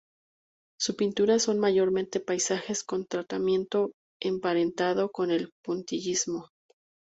Su pintura son mayormente paisajes con un tratamiento emparentado con el puntillismo.